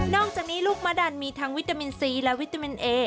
อกจากนี้ลูกมะดันมีทั้งวิตามินซีและวิตามินเอ